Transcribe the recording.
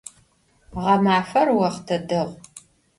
Ğemafer voxhte değu.